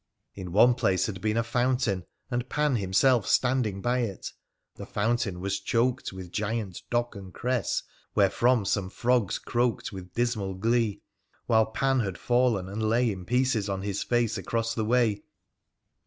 In one place had been a fountain, and Pan himself standing by it. The fountain was choked with giant dock and cress, wherefrom some frogs croaked with dismal glee, while Pan had fallen and lay in pieces on his face across the way.